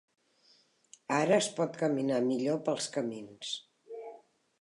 Ara es pot caminar millor pels camins.